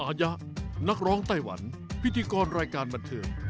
อายะนักร้องไต้หวันพิธีกรรายการบันเทิง